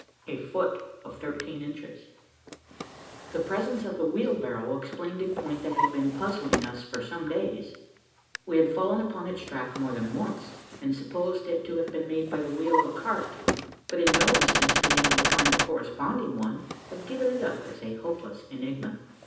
A FOOT OF THIRTEEN INCHES. The presence of the wheelbarrow explained a point that had been puzzling us for some days. We had fallen upon its track more than once, and supposed it to have been made by the wheel of a cart; but in no instance being able to find the corresponding one, had given it up as a hopeless enigma.